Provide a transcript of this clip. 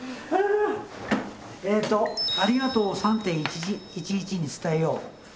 えっとありがとうを３．１１に伝えよう。